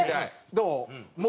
どう？